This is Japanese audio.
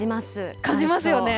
感じますよね。